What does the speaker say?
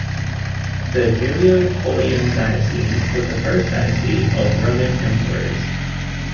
The Julio-Claudian dynasty was the first dynasty of Roman emperors.